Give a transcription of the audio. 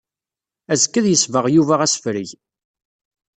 Azekka ad yesbeɣ Yuba asefreg.